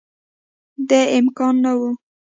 دې امکان نه وو